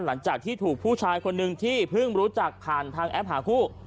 หลังจากที่ถูกผู้ชายคนหนึ่งที่เพิ่งรู้จักผ่านทางแอปหาคู่